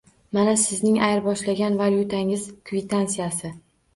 Mana sizning ayirboshlagan valyutangiz kvitantsiyasi.